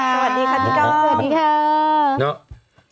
สวัสดีค่ะพี่กล้อง